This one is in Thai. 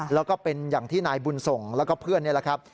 แล้วก็เป็นอย่างที่นายบุญส่งแล้วก็เพื่อนนี่แหละครับ